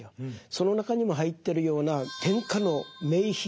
その中にも入ってるような天下の名品。